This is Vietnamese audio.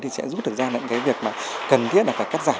thì sẽ rút được ra những cái việc mà cần thiết là phải cắt giảm